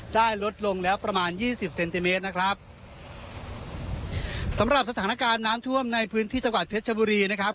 ได้ลดลงแล้วประมาณยี่สิบเซนติเมตรนะครับสำหรับสถานการณ์น้ำท่วมในพื้นที่จังหวัดเพชรชบุรีนะครับ